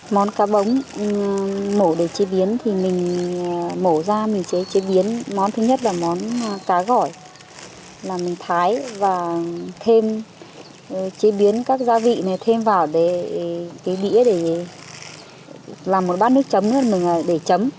món cá bỗng mổ để chế biến thì mình mổ ra mình chế biến món thứ nhất là món cá gỏi là mình thái và thêm chế biến các gia vị này thêm vào để cái đĩa để làm một bát nước chấm mình để chấm